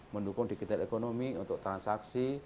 mendukung digital economy untuk transaksi